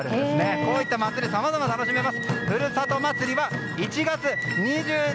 こういった祭りさまざま楽しめます。